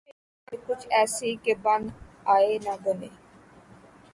اس پہ بن جائے کچھ ایسی کہ بن آئے نہ بنے